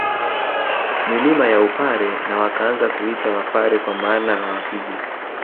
Milima ya Upare na wakaanza kuitwa Wapare kwa maana ya wapige